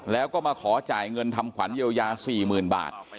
แล้วก็มาขอจ่ายเงินทำขวัญเยียวยา๔๐๐๐บาท